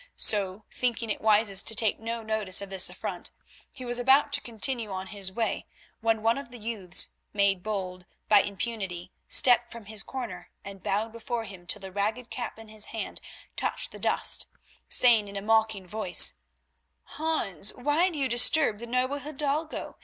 So, thinking it wisest to take no notice of this affront, he was about to continue on his way when one of the youths, made bold by impunity, stepped from his corner and bowed before him till the ragged cap in his hand touched the dust, saying, in a mocking voice, "Hans, why do you disturb the noble hidalgo?